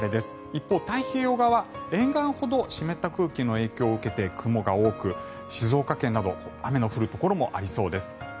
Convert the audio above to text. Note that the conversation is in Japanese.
一方、太平洋側は沿岸ほど湿った空気の影響を受けて雲が多く、静岡県など雨の降るところもありそうです。